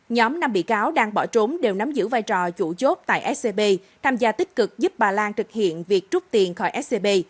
nhóm năm bị cáo đang bỏ trốn đều nắm giữ vai trò chủ chốt tại scb tham gia tích cực giúp bà lan thực hiện việc trút tiền khỏi scb